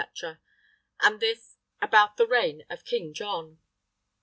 and this about the reign of King John."